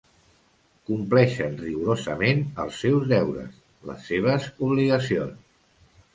Compleixen rigorosament els seus deures, les seves obligacions.